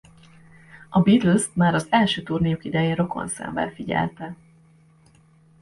A Beatlest már az első turnéjuk idején rokonszenvvel figyelte.